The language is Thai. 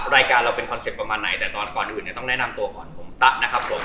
รายการเราเป็นคอนเซ็ปต์ประมาณไหนแต่ตอนก่อนอื่นเนี่ยต้องแนะนำตัวก่อนผมตะนะครับผม